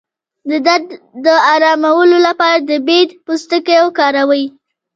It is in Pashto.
د درد د ارامولو لپاره د بید پوستکی وکاروئ